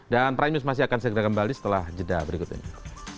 dan prime news masih akan segera kembali setelah jeda berikutnya